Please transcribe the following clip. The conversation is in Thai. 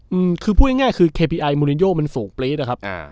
อืมคือพูดง่ายง่ายคือเคพีไอมูลินโยมันสูงปรี๊ดอะครับอ่า